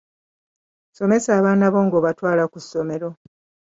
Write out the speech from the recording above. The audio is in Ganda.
Somesa abaana bo ng'obatwala ku ssomero